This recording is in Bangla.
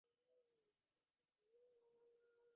বিন্দুর কথা ধীরে ধীরে শশী সব বলিয়া গেল।